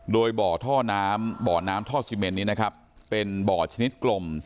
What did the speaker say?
โดยบ่อท่อน้ำบ่อน้ำท่อซีเมนนี้นะครับเป็นบ่อชนิดกลม